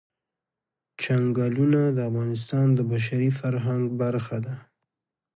چنګلونه د افغانستان د بشري فرهنګ برخه ده.